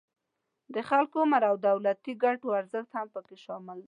د خلکو عمر او د دولتی ګټو ارزښت هم پکې شامل دي